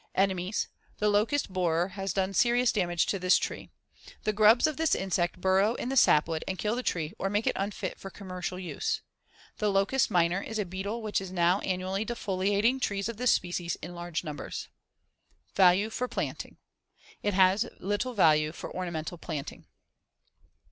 Enemies: The locust borer has done serious damage to this tree. The grubs of this insect burrow in the sapwood and kill the tree or make it unfit for commercial use. The locust miner is a beetle which is now annually defoliating trees of this species in large numbers. Value for planting: It has little value for ornamental planting.